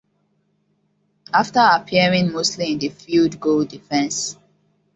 After appearing mostly in the field goal defense.